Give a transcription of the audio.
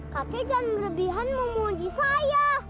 tapi jangan merebihan memuji saya